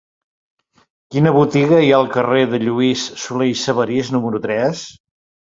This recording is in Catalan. Quina botiga hi ha al carrer de Lluís Solé i Sabarís número tres?